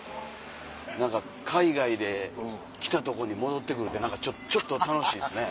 何か海外で来たとこに戻って来るって何かちょっと楽しいですね。